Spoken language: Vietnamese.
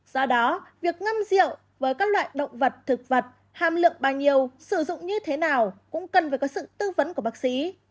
do đó việc ngâm rượu với các loại động vật thực vật hàm lượng bao nhiêu sử dụng như thế nào cũng cần phải có sự tư vấn của bác sĩ